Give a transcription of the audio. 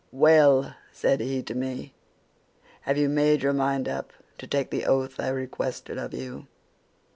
"'Well,' said he to me, 'have you made your mind up to take the oath I requested of you?